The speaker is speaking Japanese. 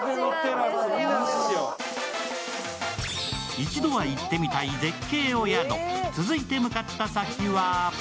一度は行ってみたい絶景お宿、続いて向かった先は？